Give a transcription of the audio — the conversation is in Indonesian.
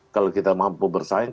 kalau kita mampu bersaing